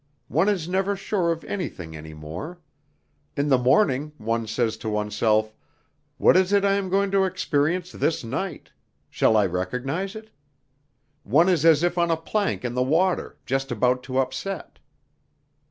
One is never sure of anything any more; in the morning one says to oneself: What is it I am going to experience this night? Shall I recognize it? One is as if on a plank in the water just about to upset."